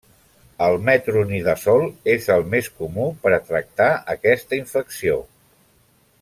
El metronidazole és el més comú per tractar aquesta infecció.